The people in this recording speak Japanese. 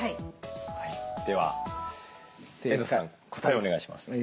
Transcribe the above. では遠藤さん答えをお願いします。